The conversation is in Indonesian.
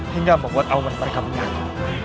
hingga membuat awan mereka menyatu